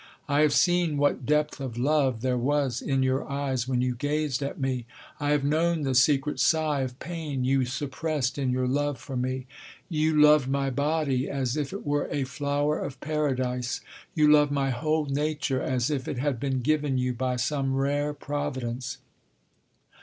I have seen what depth of love there was in your eyes when you gazed at me. I have known the secret sigh of pain you suppressed in your love for me. You loved my body as if it were a flower of paradise. You loved my whole nature as if it had been given you by some rare providence.